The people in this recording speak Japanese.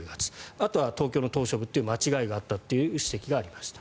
あとは東京の島しょ部という間違えがあったという指摘がありました。